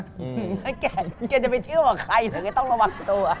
ต้องรับไว้จะไปชื่อกับใครนะมันไม่ต้องระวังตัว